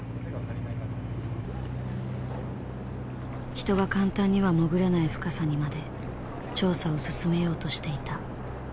人が簡単には潜らない深さにまで調査を進めようとしていた。